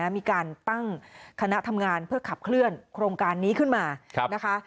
มีการตั้งคณะทำงานเพื่อขับเคลื่อนโครงการนี้ขึ้นมานะคะ